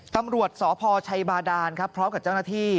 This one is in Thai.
ตำรวจสพชัยบาดานครับพร้อมกับเจ้าหน้าที่